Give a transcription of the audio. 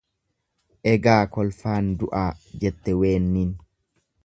Egaa kolfaan du'aa? Jette weenniin.